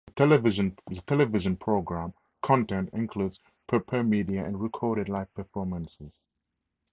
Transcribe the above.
The television program content includes prepared media and recorded live performances.